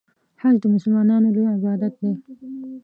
حج د مسلمانانو لوی عبادت دی.